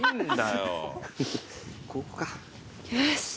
よし。